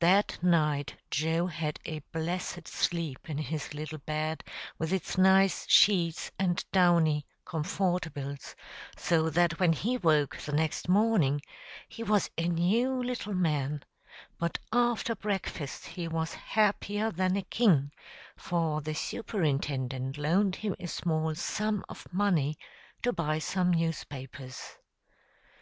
That night Joe had a blessed sleep in his little bed with its nice sheets and downy "comfortables," so that when he woke the next morning he was a new little man; but after breakfast he was happier than a king, for the Superintendent loaned him a small sum of money to buy some newspapers.